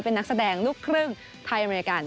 เป็นนักแสดงลูกครึ่งไทยอเมริกัน